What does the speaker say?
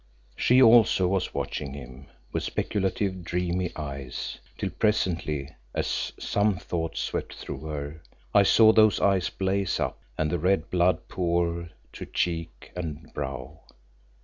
She also was watching him, with speculative, dreamy eyes, till presently, as some thought swept through her, I saw those eyes blaze up, and the red blood pour to cheek and brow.